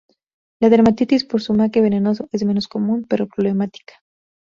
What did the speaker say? La dermatitis por zumaque venenoso es menos común, pero problemática.